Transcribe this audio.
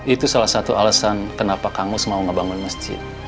itu salah satu alasan kenapa kamu mau ngebangun masjid